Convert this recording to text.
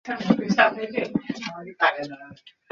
তারপর আপনি বাচ্চাদের ছেড়ে দেবেন।